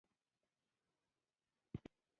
غوا د کار کولو لپاره هم ساتل کېږي.